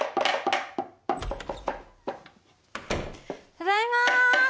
ただいま。